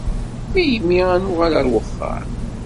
Melmi ad nuɣal ɣer uxxam?